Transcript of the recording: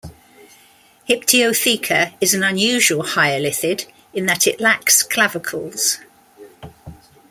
"Hyptiotheca" is an unusual hyolithid, in that it lacks clavicles.